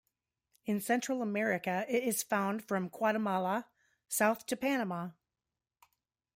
In Central America it is found from Guatemala south to Panama.